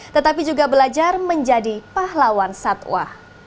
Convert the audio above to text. tetapi juga belajar menjadi pahlawan satwa